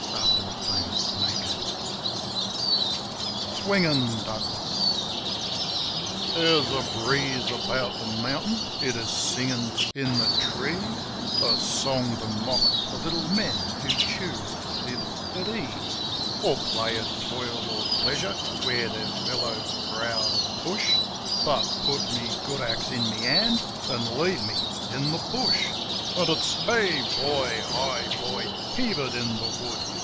SWINGIN' DOUGLAS Swingin' Douglas* THERE'S a breeze about the mountain, it is singin' in the trees A song to mock the little men who choose to live at ease, Or play at toil or pleasure where their fellows crowd and push; But put my good axe in my hand and leave me in the bush — And it's : Hey, boy ! Hi, boy ! Heave it in the wood!